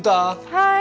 はい。